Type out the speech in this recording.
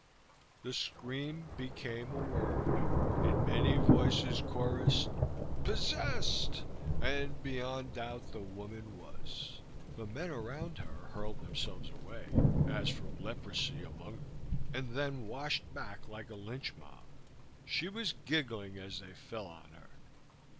The scream became a word, in many voices chorused: Possessed! And beyond doubt the woman was. The men around her hurled themselves away, as from leprosy among them, and then washed back like a lynch mob. She was giggling as they fell on her.